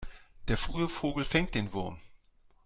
Der frühe Vogel fängt den Wurm.